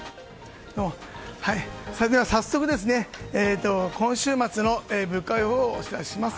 それでは早速、今週末の物価予報をお知らせします。